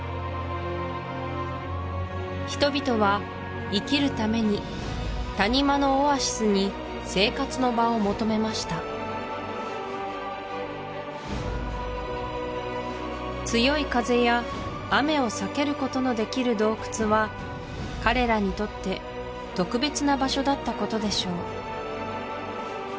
人々は生きるために谷間のオアシスに生活の場を求めました強い風や雨を避けることのできる洞窟は彼らにとって特別な場所だったことでしょう